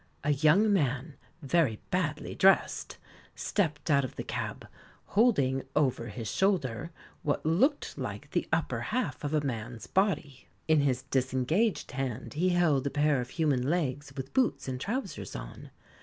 A young man, very badly dressed, stepped out of the cab, holding over his shoulder what looked like the upper half of a man's body. In his disengaged hand he held a pair of human legs with boots and trousers on.